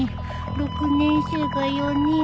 ６年生が４人